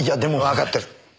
わかってる。